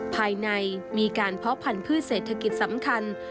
ภายในมีการเพาะพันธุ์เศรษฐกิจสำคัญ